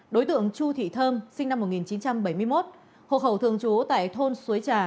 đối tượng chu thị thơm sinh năm một nghìn chín trăm bảy mươi một hộ khẩu thường trú tại thôn suối trà